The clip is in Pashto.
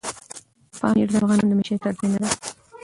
پامیر د افغانانو د معیشت سرچینه ده.